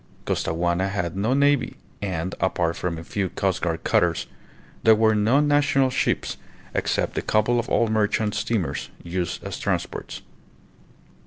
Costaguana had no navy, and, apart from a few coastguard cutters, there were no national ships except a couple of old merchant steamers used as transports.